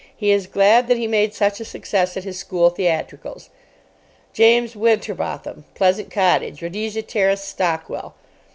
He is glad that he made such a success at his school theatricals.' 'James Winterbotham, Pleasant Cottage, Rhodesia Terrace, Stockwell.